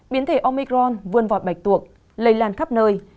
biến thể omicron vươn vọt bạch tuộc lây lan khắp nơi